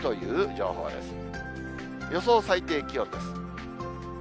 予想最低気温です。